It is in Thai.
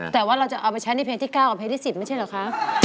แต่ว่าเราจะเอาไปใช้ในเพลงที่๙กับเพลงที่๑๐ไม่ใช่เหรอคะ